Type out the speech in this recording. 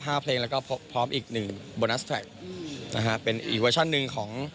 ห้าเพลงแล้วก็พร้อมอีกหนึ่งโบนัสนะฮะเป็นอีกเวลชันนึงของ